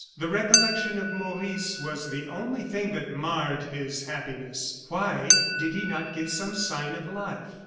The recollection of Maurice was the only thing that marred his happiness. Why did he not give some sign of life?